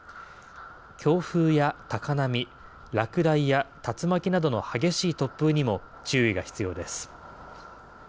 強風や高波、落雷や竜巻などの激しい突風にも注意が必要です。